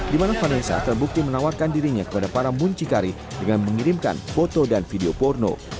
di mana vanessa terbukti menawarkan dirinya kepada para muncikari dengan mengirimkan foto dan video porno